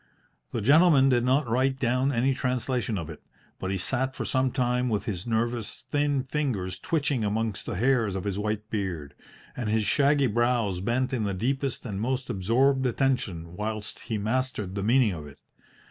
The gentleman did not write down any translation of it, but he sat for some time with his nervous, thin fingers twitching amongst the hairs of his white beard, and his shaggy brows bent in the deepest and most absorbed attention whilst he mastered the meaning of it.